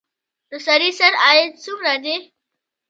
د سړي سر عاید څومره دی؟